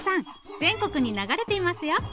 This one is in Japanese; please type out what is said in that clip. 全国に流れていますよ。